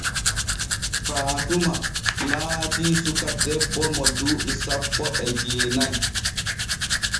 Faatuma laati suka debbo mo duuɓi sanpo e jeena'i.